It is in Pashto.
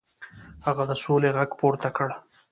هغه د سولې غږ پورته کړ.